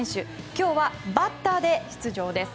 今日はバッターで出場です。